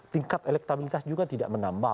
tingkat elektabilitas juga tidak menambah